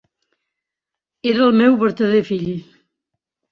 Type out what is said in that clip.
Era el meu vertader fill.